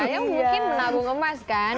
saya mungkin menabung emas kan